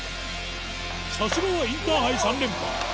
さすがはインターハイ３連覇